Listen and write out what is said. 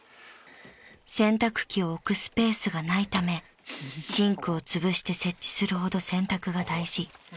［洗濯機を置くスペースがないためシンクをつぶして設置するほど洗濯が大事］